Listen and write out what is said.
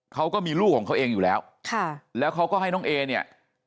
เขาก็มีลูกของเขาเองอยู่แล้วค่ะแล้วเขาก็ให้น้องเอเนี่ย